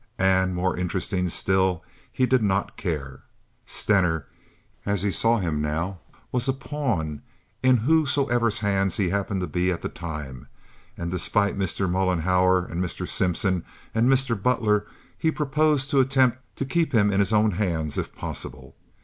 And, more interesting still, he did not care. Stener, as he saw him now, was a pawn in whosoever's hands he happened to be at the time, and despite Mr. Mollenhauer and Mr. Simpson and Mr. Butler he proposed to attempt to keep him in his own hands if possible.